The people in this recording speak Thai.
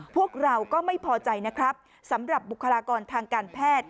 พวกเราก็ไม่พอใจนะครับสำหรับบุคลากรทางการแพทย์